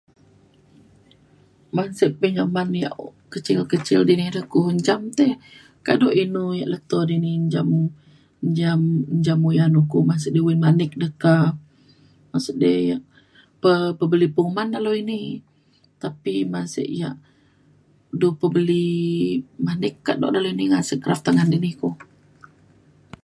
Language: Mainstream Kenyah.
man sik pinjaman ya' kecil kecil dini re ku menjam te kaduk inu ya leto dini menjam njam njam uyan ukok ba'an sik du oyan manik de ka [unintelligible] pe pebeli penguman pe dalau ini tapi man sik ya' du kebeli manik kaduk dalau ini hasil kraftangan dini ku.